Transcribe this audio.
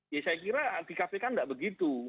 ya saya kira di kpk tidak begitu